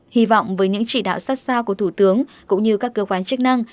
hy vọng với những chỉ đạo sát sao của thủ tướng cũng như các cơ quan chức năng